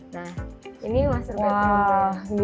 nah ini master bedroomnya